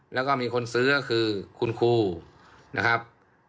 แล้วก็มีคนซื้อก็คือคุณครูนะครับ